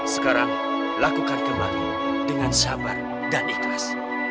sekarang lakukan kembali dengan sabar dan ikhlas